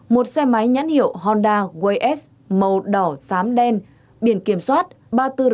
một xe máy nhắn hiệu honda way s màu đỏ xám đen biển kiểm soát ba mươi bốn r một mươi một nghìn sáu trăm năm mươi chín